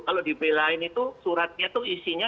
kalau dibelain itu suratnya itu isinya